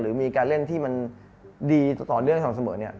มีการเล่นที่มันดีต่อเนื่องทำเสมอเนี่ย